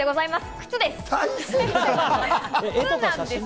靴です。